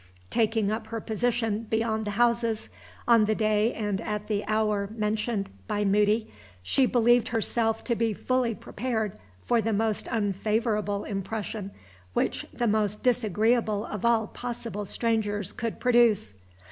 Taking up her position beyond the houses, on the day and at the hour mentioned by Moody, she believed herself to be fully prepared for the most unfavorable impression which the most disagreeable of all possible strangers could produce.